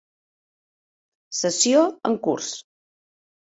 Sessió en curs.